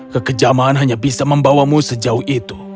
kekejamaan hanya bisa membawamu sejauh itu